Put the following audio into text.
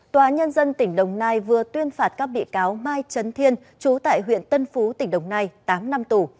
tòa nhân dân tỉnh đồng nai vừa tuyên phạt các bị cáo mai trấn thiên chú tại huyện tân phú tỉnh đồng nai tám năm tù